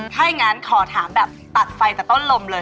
ถ้าอย่างนั้นขอถามแบบตัดไฟแต่ต้นลมเลย